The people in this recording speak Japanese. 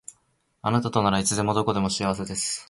あなたとならいつでもどこでも幸せです